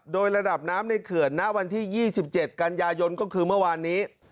โดยระดับน้ำในเขื่อนณวันที่๒๗กันยายนก็คือเมื่อวานนี้